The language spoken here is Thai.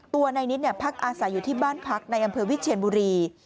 ตัวนายนิดพักอาศัยอยู่ที่บ้านพักในอำเภอวิเชียนบุรี